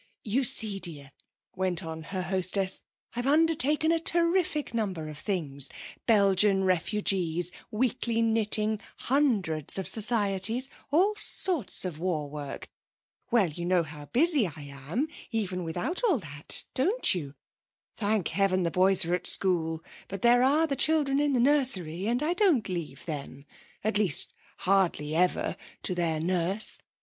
'You see, dear,' went on her hostess, 'I've undertaken a terrific number of things Belgian refugees, weekly knitting, hundreds of societies all sorts of war work. Well, you know how busy I am, even without all that, don't you? Thank heaven the boys are at school, but there are the children in the nursery, and I don't leave them at least hardly ever to their nurse.